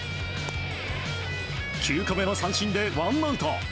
９個目の三振でワンアウト。